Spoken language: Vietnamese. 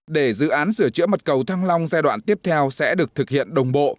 để dự án sửa chữa mặt cầu thăng long giai đoạn tiếp theo sẽ được thực hiện đồng bộ